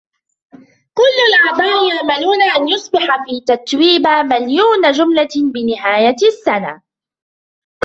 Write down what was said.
كل الأعضاء يأملون أن يصبح في تتويبا مليون جملة بنهاية السنة.